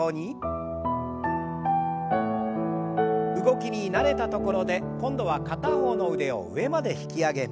動きに慣れたところで今度は片方の腕を上まで引き上げます。